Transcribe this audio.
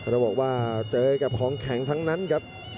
ก็จะบอกว่าเจอกับต้นสุดยอดของคะแครงทั้งนั้นครับ